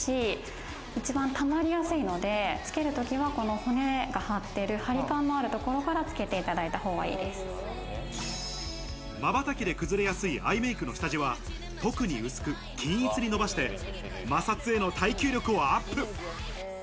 この辺は結構、皮脂も出やすいですし、一番たまりやすいので、付けるときはこの骨が張っている張り感のあるところからつけていただいたほうがいいでまばたきで崩れやすいアイメイクの下地は特に薄く、均一に伸ばして、摩擦への耐久力をアップ。